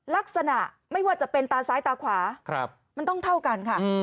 ลักษณะไม่ว่าจะเป็นตาซ้ายตาขวามันต้องเท่ากันค่ะ